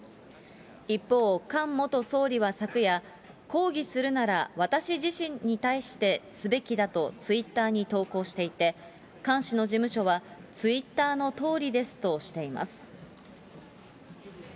一方、菅元総理は昨夜、抗議するなら私自身に対してすべきだとツイッターに投稿していて、菅氏の事務所は、ツイッターのとおりですとしています。